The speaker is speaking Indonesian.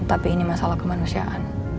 tapi ini masalah kemanusiaan